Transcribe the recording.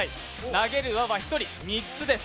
投げる輪は１人３つです。